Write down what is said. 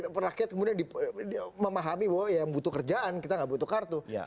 tapi semudah itu lah rakyat kemudian memahami bahwa ya butuh kerjaan kita nggak butuh kartu